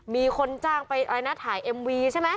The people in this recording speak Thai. มีคนจ้างไปอะไรนะถ่ายเอ็มวีใช่ไหม